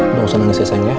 udah usah nangis ya sayang ya